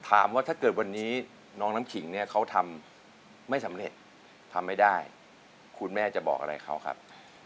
ถ้าเกิดวันนี้น้องน้ำขิงเนี่ยเขาทำไม่สำเร็จทำไม่ได้คุณแม่จะบอกอะไรเขาครับ